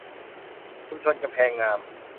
ชุมชนกำแพงงาม